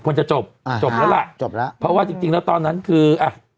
ควรจะจบจบแล้วล่ะเพราะว่าจริงแล้วตอนนั้นคือ